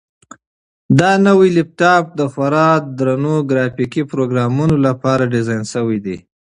دا نوی لپټاپ د خورا درنو ګرافیکي پروګرامونو لپاره ډیزاین شوی دی.